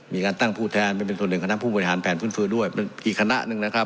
มีการตั้งผู้แทนไปเป็นส่วนหนึ่งคณะผู้บริหารแผนฟื้นฟูด้วยเป็นอีกคณะหนึ่งนะครับ